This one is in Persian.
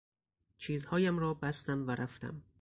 چیزهایم را بستم و رفتم.